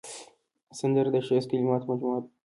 سندره د ښایسته کلماتو مجموعه ده